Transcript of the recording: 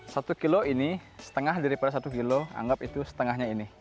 satu kilo ini setengah daripada satu kilo anggap itu setengahnya ini